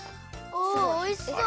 おおいしそう。